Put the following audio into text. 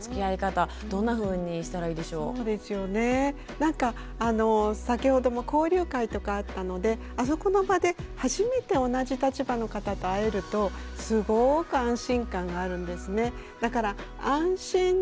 なんか先ほども交流会とかあったのであそこの場で初めて同じ立場の方と会えるとすごく安心感があるんですね。